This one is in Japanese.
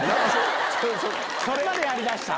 それまでやり出した？